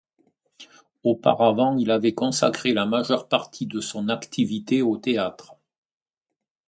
Auparavant, il avait consacré la majeure partie de son activité au théâtre.